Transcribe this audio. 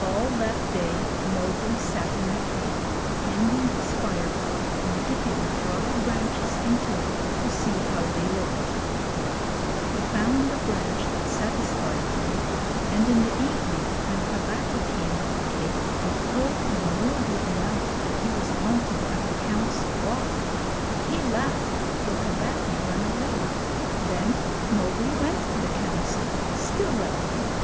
All that day Mowgli sat in the cave tending his fire pot and dipping dry branches into it to see how they looked. He found a branch that satisfied him, and in the evening when Tabaqui came to the cave and told him rudely enough that he was wanted at the Council Rock, he laughed till Tabaqui ran away. Then Mowgli went to the Council, still laughing.